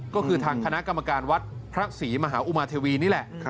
ก็คือทางคณะกรรมการวัดพระศรีมหาอุมาเทวีนี่แหละ